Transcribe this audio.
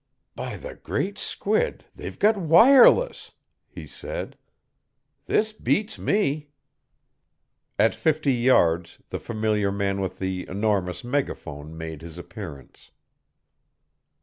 "By the great squid, they've got wireless!" he said. "This beats me!" At fifty yards the familiar man with the enormous megaphone made his appearance.